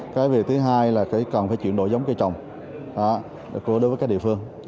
cái việc thứ hai là cần phải chuyển đổi giống cây trồng đối với các địa phương